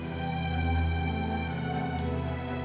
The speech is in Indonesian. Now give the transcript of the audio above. iya salam buat keluarga pak